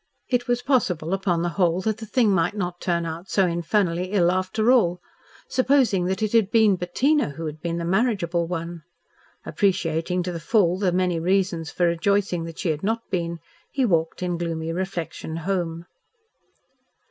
It was possible, upon the whole, that the thing might not turn out so infernally ill after all. Supposing that it had been Bettina who had been the marriageable one! Appreciating to the full the many reasons for rejoicing that she had not been, he walked in gloomy reflection home.